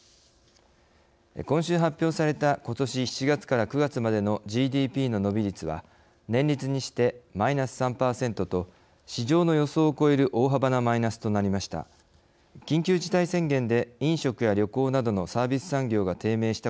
今週発表されたことし７月から９月までのＧＤＰの伸び率は年率にしてマイナス３％と市場の予想を超える大幅なマイナスとなりました。